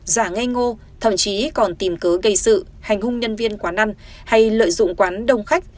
giả nghe ngô thậm chí còn tìm cớ gây sự hành hung nhân viên quán ăn hay lợi dụng quán đông khách